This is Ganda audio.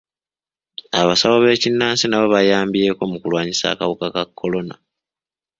Abasawo b'ekinnansi nabo bayambyeko mu kulwanyisa akawuka ka kolona.